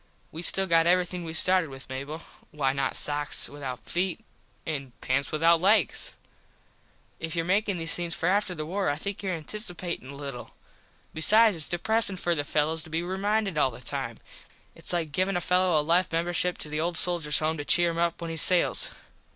We still got everything we started with Mable. Why not sox without feet and pants without legs. If your makin these things for after the war I think your anticipatin a little. Besides its depresin for the fellos to be reminded all the time. Its like givin a fello a life membership to the Old Soldiers home to cheer him up when he sails.